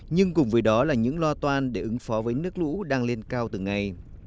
nhưng cùng với đó là những lo toan để ứng phó với nước lũ đang lên cao từng ngày